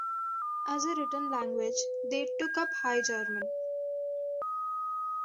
As a written language, they took up High German.